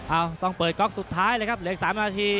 ต้องเปิดก๊อกสุดท้ายเลยครับเหลืออีก๓นาที